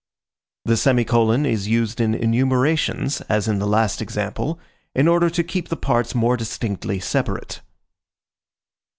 The semicolon is used in enumerations, as in the last example, in order to keep the parts more distinctly separate.